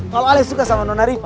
kalau ale suka sama nona rifa